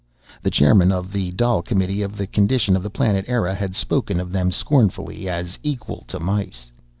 The chairman of the Dail Committee on the Condition of the Planet Eire had spoken of them scornfully as equal to mice.